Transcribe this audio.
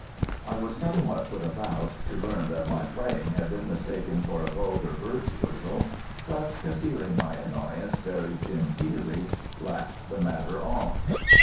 I was somewhat put about to learn that my playing had been mistaken for a vulgar bird's whistle, but, concealing my annoyance very genteely, laughed the matter off.